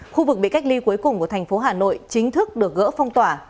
khu vực bị cách ly cuối cùng của thành phố hà nội chính thức được gỡ phong tỏa